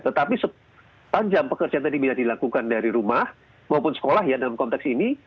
tetapi sepanjang pekerjaan tadi bisa dilakukan dari rumah maupun sekolah ya dalam konteks ini